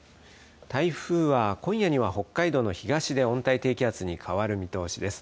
台風は今夜には北海道の東で温帯低気圧に変わる見通しです。